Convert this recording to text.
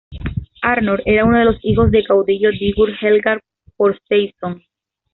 Arnór era uno de los hijos del caudillo Digur-Helga Þorsteinsson.